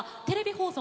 放送